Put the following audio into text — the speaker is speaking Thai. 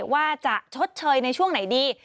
ว่าจะชดเชยในช่วงไหนดี